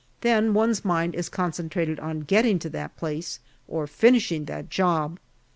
Then one's mind is concentrated on getting to that place or finishing that job.